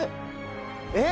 えっ？